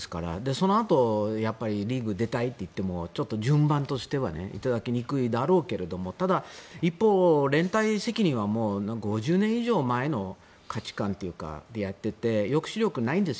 そのあとリーグに出たいといってもちょっと順番としては受け入れられにくいだろうけどただ、一方で連帯責任は５０年以上前の価値観というかそれでやっていて抑止力ないんです。